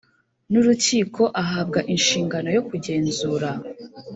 n urukiko ahabwa inshingano yo kugenzura